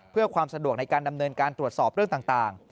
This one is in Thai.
เพื่อความสะดวกในการดำเนินการตรวจสอบเรื่องต่าง